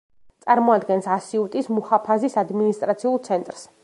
წარმოადგენს ასიუტის მუჰაფაზის ადმინისტრაციულ ცენტრის.